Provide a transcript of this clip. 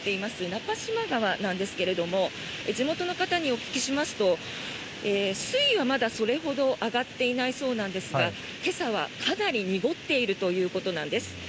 中島川なんですが地元の方にお聞きしますと水位はまだそれほど上がっていないそうなんですが今朝はかなり濁っているということなんです。